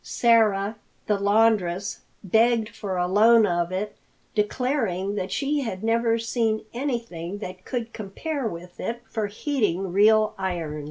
Sarah, the laundress, begged for a loan of it, declaring that she had never seen anything that could compare with it for heating real irons.